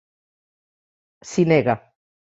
S'hi nega.